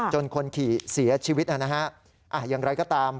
คนขี่เสียชีวิตนะฮะอย่างไรก็ตาม